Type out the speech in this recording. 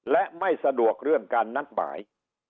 และไม่สะดวกเรื่องการนัดหมาย